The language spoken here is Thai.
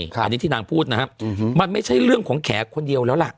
อันนี้ที่นางพูดนะครับมันไม่ใช่เรื่องของแขกคนเดียวแล้วล่ะ